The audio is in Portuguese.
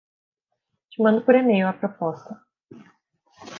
Te mando por e-mail a proposta